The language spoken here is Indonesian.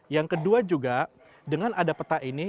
yang kedua juga dengan adapeta ini